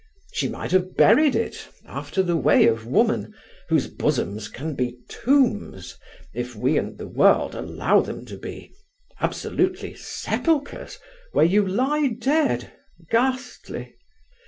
She might have buried it, after the way of woman, whose bosoms can be tombs, if we and the world allow them to be; absolutely sepulchres, where you lie dead, ghastly.